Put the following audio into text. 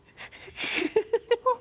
フフフフ。